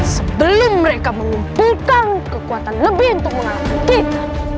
sebelum mereka mengumpulkan kekuatan lebih untuk mengalahkan kita